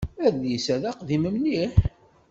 Adlis-a d aqdim mliḥ.